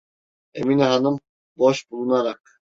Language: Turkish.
Emine hanım boş bulunarak: